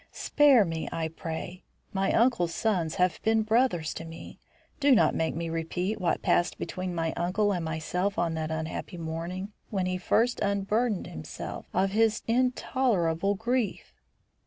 "Spare me, I pray. My uncle's sons have been brothers to me. Do not make me repeat what passed between my uncle and myself on that unhappy morning when he first unburdened himself of his intolerable grief."